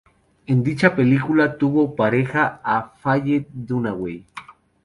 En dicha película tuvo por "pareja" a Faye Dunaway.